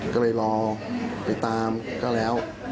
ก็เลยรอไปตามก็แล้ว